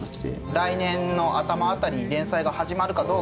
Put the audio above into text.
来年の頭あたりに連載が始まるかどうか。